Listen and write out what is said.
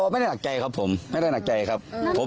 ไม่ได้หนักใจครับผมไม่ได้หนักใจครับ